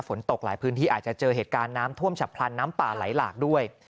ฝนตกหลายพื้นที่อาจจะเจอเหตุการณ์น้ำท่วมฉับพลันน้ำป่าไหลหลากด้วย